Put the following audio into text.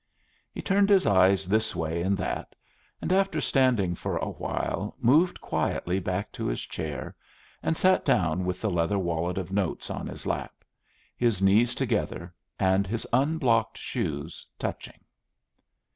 He turned his eyes this way and that, and after standing for a while moved quietly back to his chair and sat down with the leather wallet of notes on his lap, his knees together, and his unblocked shoes touching.